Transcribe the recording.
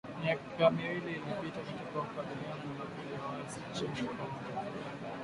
Miaka miwili ilipita katika kukabiliana na makundi ya waasi nchini Kongo